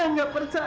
ayah tidak percaya